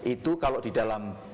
itu kalau di dalam